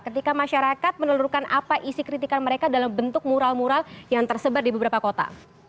ketika masyarakat menelurkan apa isi kritikan mereka dalam bentuk mural mural yang tersebar di beberapa kota